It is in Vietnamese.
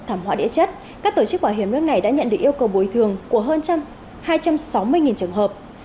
thảm họa địa chất các tổ chức bảo hiểm nước này đã nhận được yêu cầu bồi thường của hơn hai trăm sáu mươi trường hợp